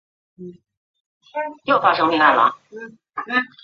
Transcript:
万历十四年丙戌科第三甲第一百六十四名进士。